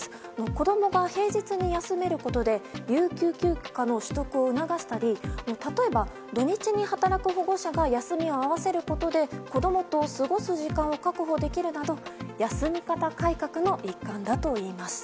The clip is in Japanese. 子供が平日に休めることで有給休暇の取得を促したり例えば、土日に働く保護者が休みを合わせることで子供と過ごす時間を確保できるなど休み方改革の一環だといいます。